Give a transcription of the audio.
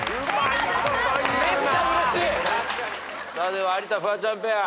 では有田・フワちゃんペア。